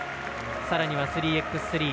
さらには３ｘ３。